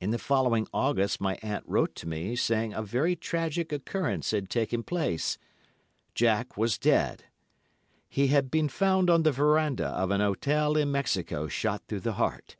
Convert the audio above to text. In the following August my aunt wrote to me saying a very tragic occurrence had taken place. Jack was dead. He had been found on the verandah of an hotel in Mexico shot through the heart.